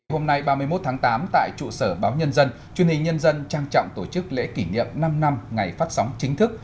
hôm nay ba mươi một tháng tám tại trụ sở báo nhân dân truyền hình nhân dân trang trọng tổ chức lễ kỷ niệm năm năm ngày phát sóng chính thức